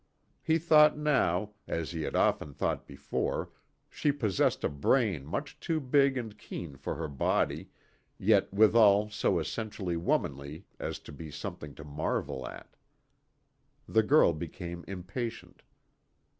He thought now, as he had often thought before, she possessed a brain much too big and keen for her body, yet withal so essentially womanly as to be something to marvel at. The girl became impatient.